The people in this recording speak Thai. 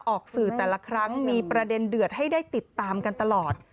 ออกสื่อแต่ละครั้งมีประเด็นเดือดให้ได้ติดตามกันตลอด